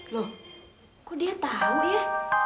lho kok dia tau ya